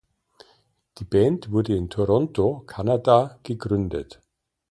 Die Band wurde in Toronto, Kanada gegründet.